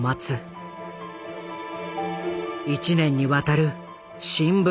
１年にわたる新聞